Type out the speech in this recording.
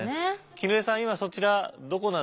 絹枝さん今そちらどこなんですか？